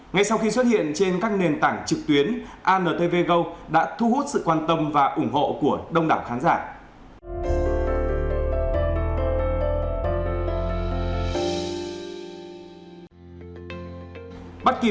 ngay sau khi xuất hiện trên các nền tảng trực tuyến antv go đã thu hút sự quan tâm và ủng hộ của đông đảo khán giả